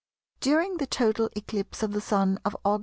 During the total eclipse of the Sun of Aug.